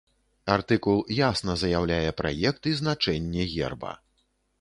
Артыкул ясна заяўляе праект і значэнне герба.